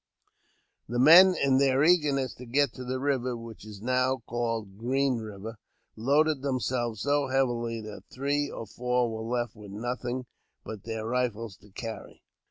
The men, in their eagerness to get to the river (which is now called Green River), loaded themselves so heavily that three or four were left with nothing but their rifles to carry.